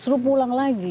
suruh pulang lagi